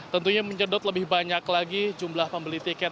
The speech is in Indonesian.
tentunya menyedot lebih banyak lagi jumlah pembeli tiket